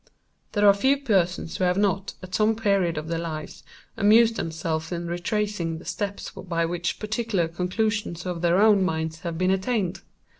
There are few persons who have not, at some period of their lives, amused themselves in retracing the steps by which particular conclusions of their own minds have been attained.